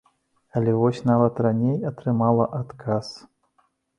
Але вось нават раней атрымала адказ.